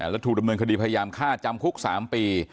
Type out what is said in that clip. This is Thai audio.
และถูกดำเนินคดีพยายามฆ่าจำคุก๓ปี